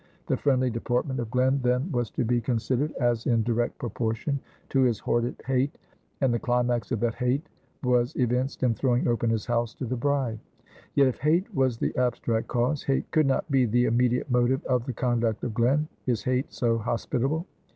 The friendly deportment of Glen then was to be considered as in direct proportion to his hoarded hate; and the climax of that hate was evinced in throwing open his house to the bride. Yet if hate was the abstract cause, hate could not be the immediate motive of the conduct of Glen. Is hate so hospitable?